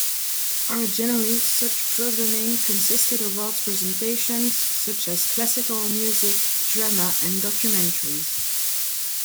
Originally, such programming consisted of arts presentations such as classical music, drama, and documentaries.